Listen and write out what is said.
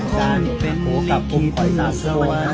การเป็นบุคคลิปสวรรค์ใส่